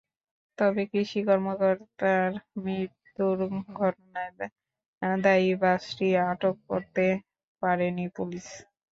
তবে কৃষি কর্মকর্তার মৃত্যুর ঘটনায় দায়ী বাসটি আটক করতে পারেনি পুলিশ।